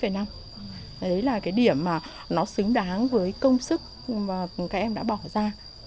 đấy là cái điểm mà nó xứng đáng với công sức mà các em đã bỏ ra